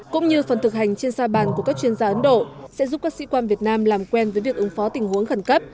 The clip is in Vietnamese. cũng như phần thực hành trên sa bàn của các chuyên gia ấn độ sẽ giúp các sĩ quan việt nam làm quen với việc ứng phó tình huống khẩn cấp